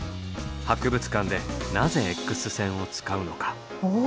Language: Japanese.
博物館でなぜＸ線を使うのか？